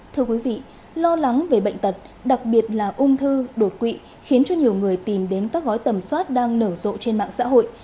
thưa quý vị lo lắng về bệnh tật đặc biệt là ung thư đột quỵ khiến cho nhiều người tìm đến các gói tầm soát đang nở rộ trên mạng xã hội